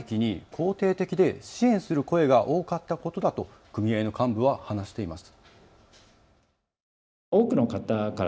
その１つがストライキに肯定的で支援する声が多かったことだと組合の幹部は話しています。